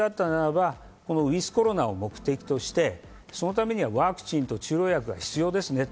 ｗｉｔｈコロナを目的として、そのためにはワクチンと治療薬は必要ですねと。